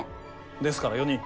ですから４人。